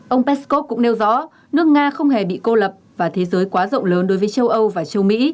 ông peskov cũng nêu rõ nước nga không hề bị cô lập và thế giới quá rộng lớn đối với châu âu và châu mỹ